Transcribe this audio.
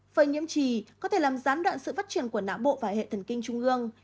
phơi nhiễm trì có thể làm gián đoạn sự phát triển của não bộ và hệ thần kinh trung ương